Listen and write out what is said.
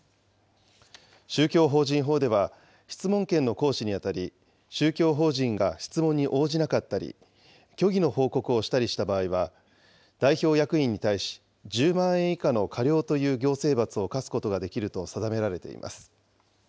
宗教法人法では、質問権の行使にあたり、宗教法人が質問に応じなかったり、虚偽の報告をしたりした場合は、代表役員に対し、１０万円以下の過料という行政罰を科すことができると定められています。